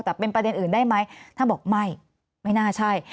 แต่เป็นประเด็นอื่นได้ไหมถ้าบอกไม่ไม่น่าใช่